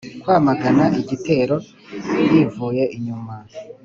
kwamagana igitero yivuye inyuma,